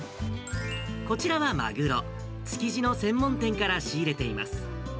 こちらはマグロ、築地の専門店から仕入れています。